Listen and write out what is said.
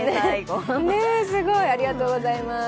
ありがとうございます。